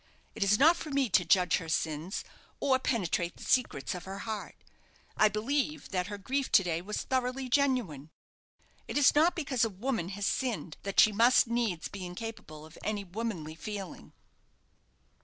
It is not for me to judge her sins, or penetrate the secrets of her heart. I believe that her grief to day was thoroughly genuine. It is not because a woman has sinned that she must needs be incapable of any womanly feeling."